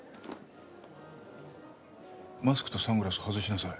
マスクとサングラス外しなさい。